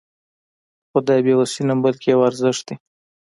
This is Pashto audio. خو دا بې وسي نه بلکې يو ارزښت دی.